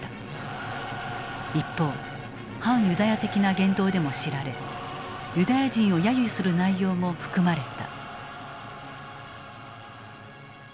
一方反ユダヤ的な言動でも知られユダヤ人を揶揄する内容も含まれた。